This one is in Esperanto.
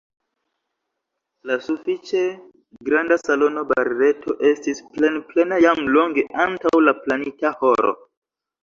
La sufiĉe granda salono Barreto estis plenplena jam longe antaŭ la planita horo.